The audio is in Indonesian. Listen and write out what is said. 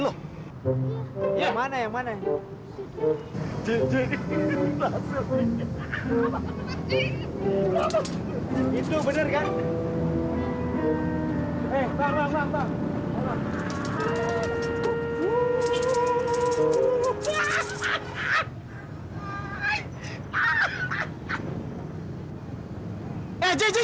kukukan terbesar kayaran terkenal